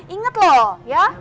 ingat loh ya